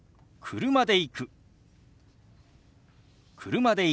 「車で行く」。